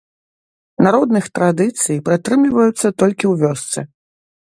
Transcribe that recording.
Народных традыцый прытрымліваюцца толькі ў вёсцы.